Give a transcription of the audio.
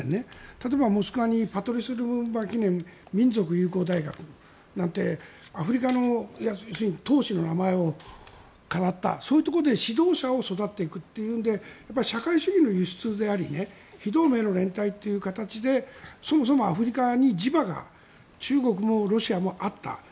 例えば、モスクワに民族友好大学なんてアフリカの党首の名前をかたった大学もあってそういうところで指導者を育てていくというので社会主義の輸出であり非同盟の連帯という形でそれこそアフリカに地場が中国もロシアもあった。